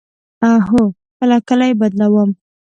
هو، کله کله یی بدلوم